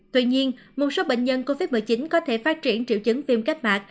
tuy nhiên một số bệnh nhân covid một mươi chín có thể phát triển triệu chứng viêm kết mạc